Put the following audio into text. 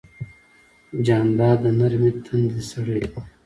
جانداد د نرمې تندې سړی دی.